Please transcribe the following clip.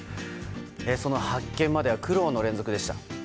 その発見までは苦労の連続でした。